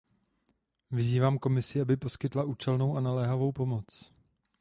Vyzývám Komisi, aby poskytla účelnou a naléhavou pomoc.